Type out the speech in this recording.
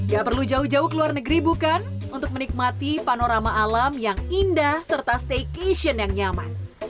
gak perlu jauh jauh ke luar negeri bukan untuk menikmati panorama alam yang indah serta staycation yang nyaman